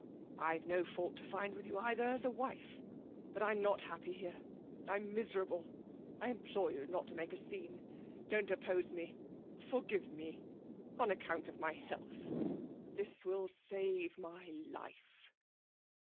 'I've no fault to find with you either as a wife. But I'm not happy here. I'm miserable. I implore you not to make a scene. Don't oppose me; forgive me on account of my health. This will save my life.'